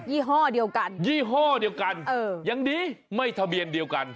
ี่ห้อเดียวกันยี่ห้อเดียวกันเออยังดีไม่ทะเบียนเดียวกัน